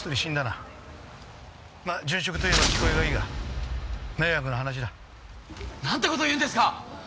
まあ殉職と言えば聞こえはいいが迷惑な話だ。なんて事言うんですか！